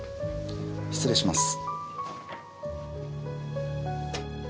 失礼します。